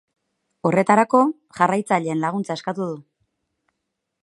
Horretarako, jarraitzaileen laguntza eskatu du.